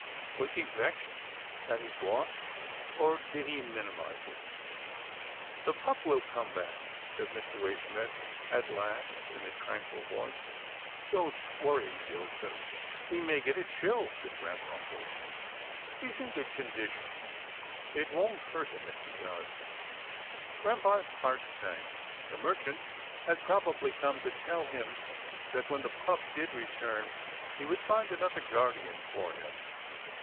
Was he vexed at his loss, or did he minimize it? " The pup will come back," said Mr. Waysmith at last in a tranquil voice. " Don't worry. Dill son." " He may get a chill," said grampa hoarsely. " He's in good condition, it won't hurt him if he does." Grampa's heart sank. The merchant had prob ably come to tell him that when the pup did return, he would find another guardian for him.